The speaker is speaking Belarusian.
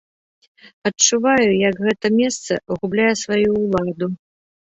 Адчуваю, як гэта месца губляе сваю ўладу.